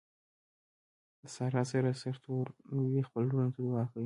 ساره سر سرتوروي خپلو ورڼو ته دعاکوي.